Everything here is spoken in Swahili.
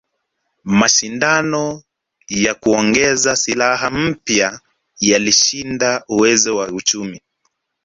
Mashindano ya kuongeza silaha mpya yalishinda uwezo wa uchumi